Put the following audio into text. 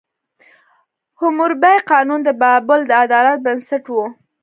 حموربي قانون د بابل د عدالت بنسټ و.